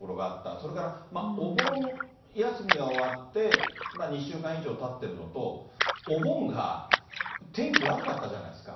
それから、お盆休みが終わって、２週間以上たってるのと、お盆が天気悪かったじゃないですか。